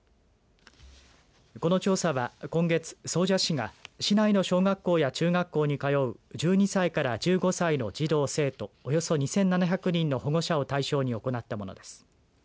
この調査は今月、総社市が市内の小学校や中学校に通う１２歳から１５歳の児童、生徒およそ２７００人の保護者を対象に行ったものです。